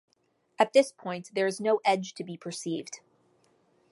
At this point, there is no edge to be perceived.